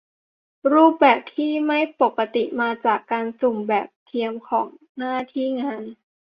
รูปแบบที่ไม่ปกติมาจากการสุ่มแบบเทียมของหน้าที่งาน